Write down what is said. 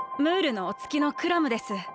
ムールのおつきのクラムです。